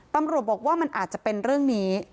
ตำรวจบอกว่ามันอาจจะเป็นเรื่องนี้